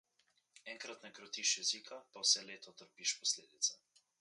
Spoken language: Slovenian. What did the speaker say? Enkrat ne krotiš jezika, pa vse leto trpiš posledice.